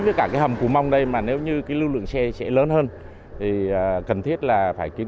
với cả cái hầm cù mông đây mà nếu như cái lưu lượng xe sẽ lớn hơn thì cần thiết là phải kiếm